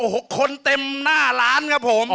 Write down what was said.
โอ้โหคนเต็มหน้าร้านครับผม